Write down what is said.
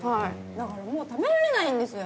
だからもう食べられないんですよ！